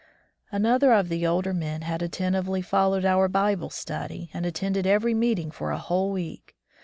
Another of the older men had attentively followed our Bible study and attended every meeting for a whole week.